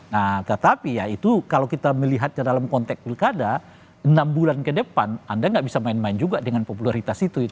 nah tetapi ya itu kalau kita melihatnya dalam konteks pilkada enam bulan ke depan anda nggak bisa main main juga dengan popularitas itu